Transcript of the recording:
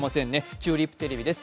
チューリップテレビです。